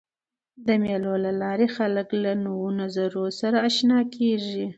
د مېلو له لاري خلک له نوو نظرونو سره آشنا کيږي.